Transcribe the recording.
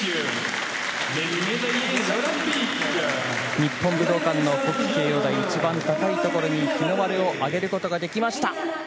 日本武道館の国旗掲揚台の一番高いところに日の丸を上げることができました。